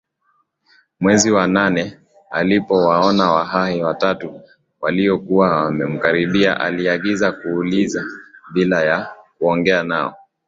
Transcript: Mwezi wa nane alipowaona Wahehe watatu waliokuwa wanamkaribia aliagiza kuuliza bila ya kuongea nao